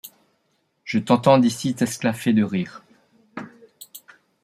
Je t'entends d'ici t'esclaffer de rire.